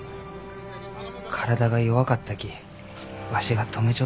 体が弱かったきわしが止めちょったせいです。